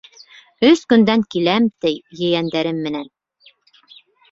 Өс көндән киләм ти, ейәндәрем менән.